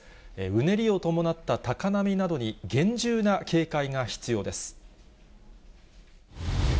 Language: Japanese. うねりを伴った高波などに、厳重な警戒が必要です。